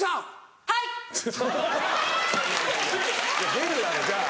出るだろじゃあ。